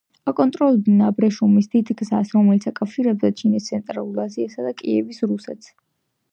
აკონტროლებდნენ აბრეშუმის დიდ გზას რომელიც აკავშირებდა ჩინეთს, ცენტრალური აზიასა და კიევის რუსეთს.